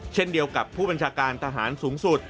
เช่นเดียวกับผู้บัญชาการทหารสูงสุด